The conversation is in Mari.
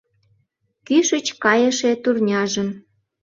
Кӱшыч кайыше турняжым